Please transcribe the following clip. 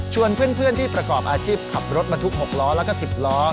เพื่อนที่ประกอบอาชีพขับรถบรรทุก๖ล้อแล้วก็๑๐ล้อ